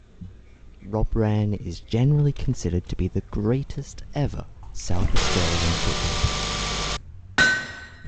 Robran is generally considered to be the greatest ever South Australian Football player.